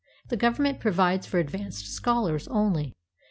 The Government provides for advanced scholars only.